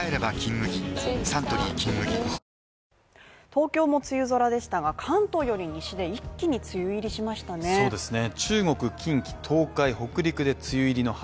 東京も梅雨空でしたが関東より西で一気に梅雨入りしましたね